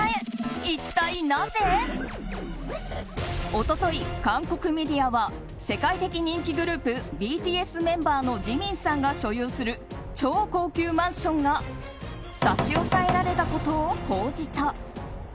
一昨日、韓国メディアは世界的人気グループＢＴＳメンバーのジミンさんが所有する超高級マンションが差し押さえられたことを報じた。